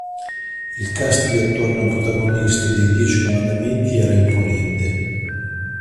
Il cast di attori non protagonisti dei "Dieci Comandamenti" era imponente.